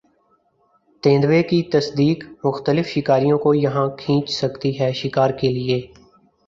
تیندوے کی تصدیق مختلف شکاریوں کو یہاں کھینچ سکتی ہے شکار کے لیے